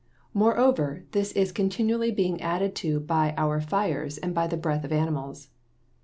Moreover, this is continually being added to by our fires and by the breath of animals.